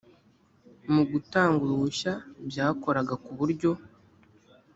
mu gutanga uruhushya byakoraga ku buryo